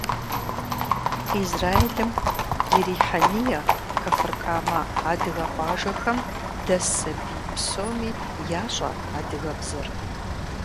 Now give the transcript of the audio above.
Израилым и Рихьэния, Кфар-Камэ адыгэ къуажэхэм дэс сабий псоми ящӀэ адыгэбзэр.